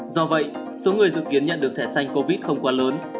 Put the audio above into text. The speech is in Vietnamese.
do vậy số người dự kiến nhận được thẻ xanh covid không quá lớn